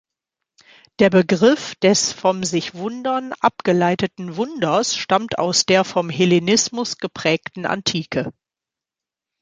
Der Begriff des vom Sich-Wundern abgeleiteten Wunders stammt aus der vom Hellenismus geprägten Antike.